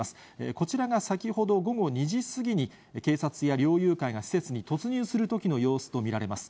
こちらが先ほど午後２時過ぎに、警察や猟友会が施設に突入するときの様子と見られます。